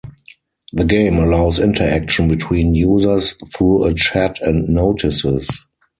The game allows interaction between users through a chat and notices.